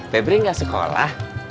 febri gak sekolah